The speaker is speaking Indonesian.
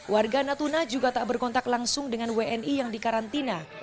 warga natuna juga tak berkontak langsung dengan wni yang dikarantina